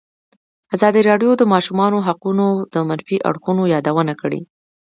ازادي راډیو د د ماشومانو حقونه د منفي اړخونو یادونه کړې.